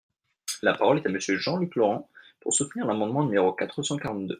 La parole est à Monsieur Jean-Luc Laurent, pour soutenir l’amendement numéro quatre cent quarante-deux.